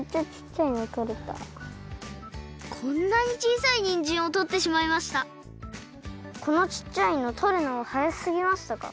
めっちゃこんなにちいさいにんじんをとってしまいましたこのちっちゃいのとるのはやすぎましたか？